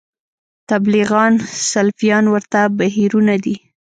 تبلیغیان سلفیان ورته بهیرونه دي